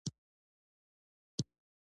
قطبي هیږه په یخ کې ژوند کوي